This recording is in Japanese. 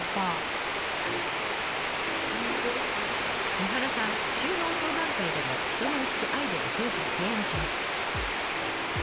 三原さん就農相談会でも人目を引くアイデアを上司に提案します。